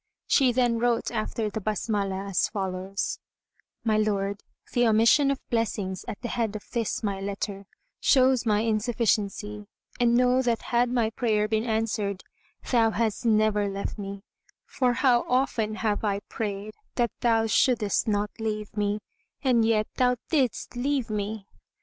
She then wrote after the Basmalah as follows, "My lord, the omission of blessings[FN#163] at the head of this my letter shows mine insufficiency, and know that had my prayer been answered, thou hadst never left me; for how often have I prayed that thou shouldest not leave me, and yet thou didst leave me!